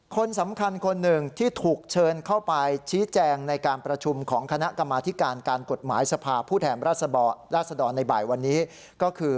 คนสำคัญคนหนึ่งที่ถูกเชิญเข้าไปชี้แจงในการประชุมของคณะกรรมาธิการการกฎหมายสภาพผู้แทนราชดรในบ่ายวันนี้ก็คือ